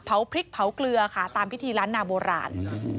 เผาพริกเผาเกลือค่ะตามพิธีร้านนาโบหล่าน